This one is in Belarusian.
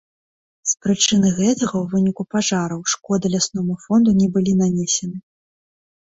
З прычыны гэтага, у выніку пажараў шкода лясному фонду не былі нанесены.